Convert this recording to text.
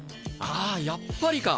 ああやっぱりか。